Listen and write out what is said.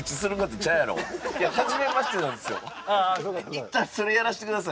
いったんそれやらせてください。